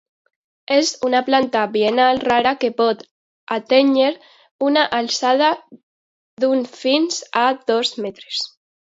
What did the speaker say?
És una planta biennal rara que pot atènyer una alçada d'un fins a dos metres.